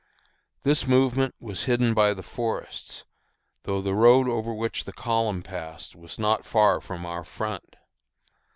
This movement was hidden by the forests, though the road over which the column passed was not far from our front.